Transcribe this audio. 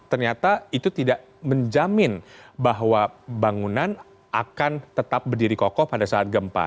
ternyata itu tidak menjamin bahwa bangunan akan tetap berdiri kokoh pada saat gempa